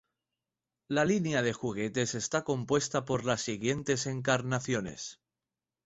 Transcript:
La línea de juguetes está compuesta por las siguientes encarnaciones.